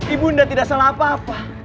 ibunda tidak salah apa apa